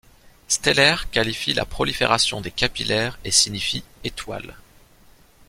Stellaire qualifie la prolifération des capillaires et signifie étoile.